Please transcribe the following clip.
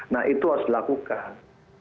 nah itu harus dilakukan